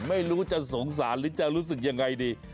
ไม่รู้จะสงสารหรือจะรู้สึกยังไงดี